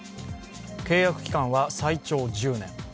契約期間は最長１０年。